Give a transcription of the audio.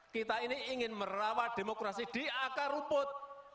kita ini ingin merawat demokrasi di akar rumput